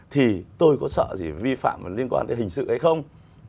thì tôi có sợ gì vi phạm liên quan tới hình sự hay không